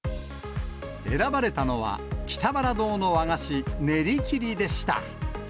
選ばれたのは北原堂の和菓子、練り切りでした。